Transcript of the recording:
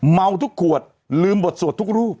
เมาทุกขวดลืมบทสวดทุกรูป